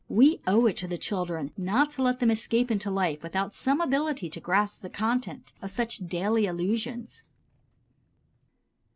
We owe it to the children not to let them escape into life without some ability to grasp the content of such daily allusions.